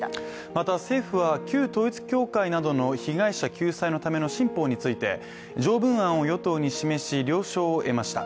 また政府は、旧統一教会などの被害者救済のための新法について条文案を与党に示し、了承を得ました。